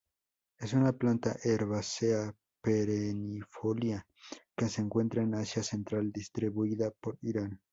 Es una planta herbácea perennifolia que se encuentra en Asia Central distribuida por Irán.